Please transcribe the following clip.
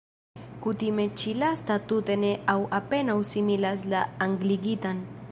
Kutime ĉi-lasta tute ne aŭ apenaŭ similas la angligitan.